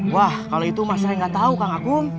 wah kalo itu masa yang gak tau kang akum